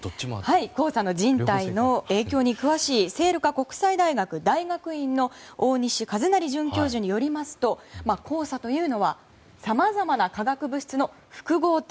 黄砂の人体の影響に詳しい聖路加国際大学院の大西一成准教授によりますと黄砂というのはさまざまな化学物質の複合体。